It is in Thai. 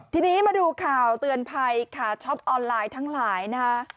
ทีนี้มาดูข่าวเตือนภัยค่ะช็อปออนไลน์ทั้งหลายนะคะ